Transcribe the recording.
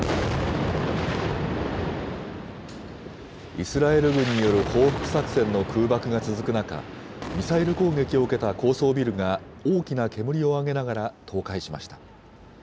イスラエル軍による報復作戦の空爆が続く中、ミサイル攻撃を受けた高層ビルが、大きな煙を上げながら倒壊しました。